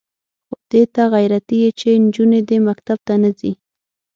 خو دې ته غیرتي یې چې نجونې دې مکتب ته نه ځي.